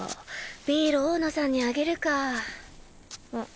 ビール大野さんにあげるかうん？